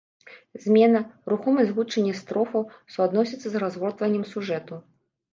Змена, рухомасць гучання строфаў суадносяцца з разгортваннем сюжэту.